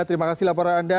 terima kasih laporan anda